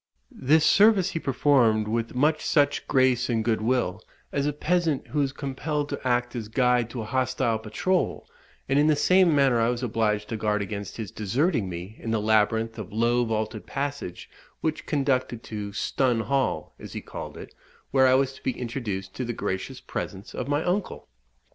This service he performed with much such grace and good will, as a peasant who is compelled to act as guide to a hostile patrol; and in the same manner I was obliged to guard against his deserting me in the labyrinth of low vaulted passages which conducted to "Stun Hall," as he called it, where I was to be introduced to the gracious presence of my uncle.